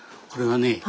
これがね